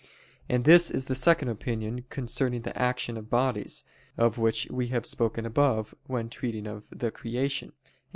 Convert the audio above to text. And this is the second opinion concerning the action of bodies; of which we have spoken above when treating of the creation (Q.